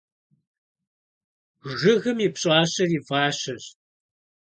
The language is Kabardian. Жыгым и пщӀащэр и фащэщ.